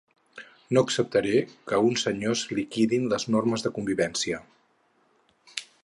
No acceptaré que uns senyors liquidin les normes de convivència.